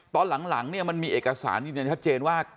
ตอนหลังมันมีเอกสารที่เนี่ยชัดเจนว่า